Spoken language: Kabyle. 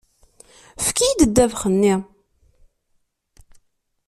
Efk-iyi-d ddabex-nni!